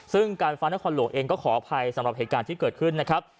ซึ่งการฟ้านครหลวงเองก็ขออภัยสำหรับเหตุการณ์ที่เกิดขึ้นนะครับ